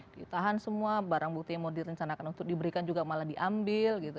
ditahan semua barang bukti yang mau direncanakan untuk diberikan juga malah diambil gitu